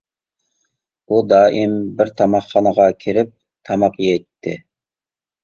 ئۇ دائىم بىر تاماقخانىغا كىرىپ تاماق يەيتتى.